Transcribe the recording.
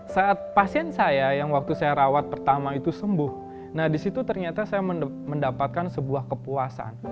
saat pasien saya yang waktu saya rawat pertama itu sembuh nah disitu ternyata saya mendapatkan sebuah kepuasan